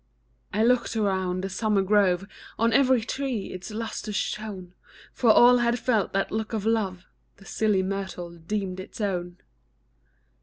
I looked around the summer grove, On every tree its lustre shone; For all had felt that look of love The silly myrtle deemed its own.